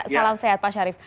salam sehat pak syarif